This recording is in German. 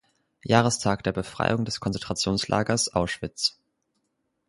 Jahrestag der Befreiung des Konzentrationslagers Auschwitz.